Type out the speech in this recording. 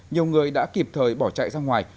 nhiều người đã kịp thời bỏ chạy ra ngoài